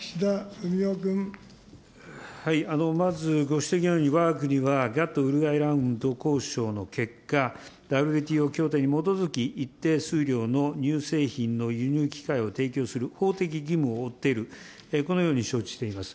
まずご指摘のように、わが国はガット・ウルグアイラウンド交渉の結果、ＷＴＯ協定に基づき、一定数量の乳製品の輸入機会を提供する法的義務を負っている、このように承知しています。